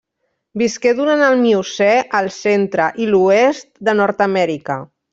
Visqué durant el Miocè al centre i l'oest de Nord-amèrica.